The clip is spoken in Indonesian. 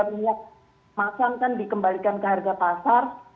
minyak masam kan dikembalikan ke harga pasar